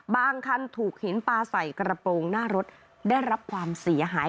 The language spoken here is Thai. คันถูกหินปลาใส่กระโปรงหน้ารถได้รับความเสียหาย